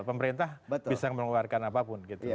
pemerintah bisa mengeluarkan apapun